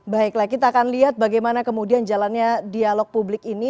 baiklah kita akan lihat bagaimana kemudian jalannya dialog publik ini